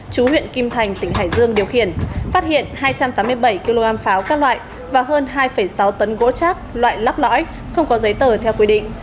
chú huyện kim thành tỉnh hải dương điều khiển phát hiện hai trăm tám mươi bảy kg pháo các loại và hơn hai sáu tấn gỗ trác loại lắp lõi không có giấy tờ theo quy định